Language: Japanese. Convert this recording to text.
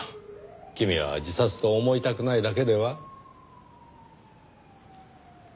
君は自殺と思いたくないだけでは？